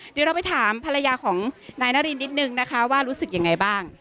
เดี๋ยวเราไปถามภรรยาของนายนารินว่ารู้สึกยังไงบ้าง